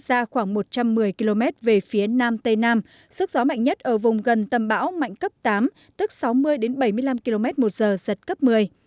trường xa khoảng một trăm một mươi km về phía nam tây nam sức gió mạnh nhất ở vùng gần tâm báo mạnh cấp tám tức sáu mươi bảy mươi năm km một giờ giật cấp một mươi